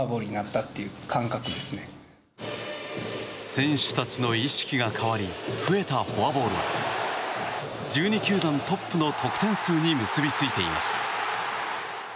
選手たちの意識が変わり増えたフォアボールは１２球団トップの得点数に結びついています。